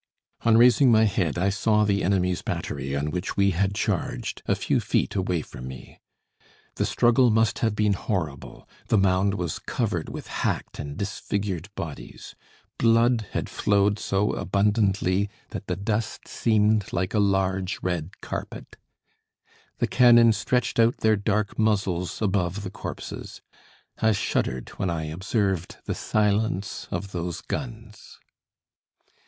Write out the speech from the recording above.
On raising my head I saw the enemy's battery on which we had charged, a few feet away from me. The struggle must have been horrible: the mound was covered with hacked and disfigured bodies; blood had flowed so abundantly that the dust seemed like a large red carpet. The cannon stretched out their dark muzzles above the corpses. I shuddered when I observed the silence of those guns.